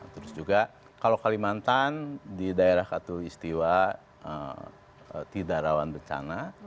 terus juga kalau kalimantan di daerah katulistiwa tidak rawan bencana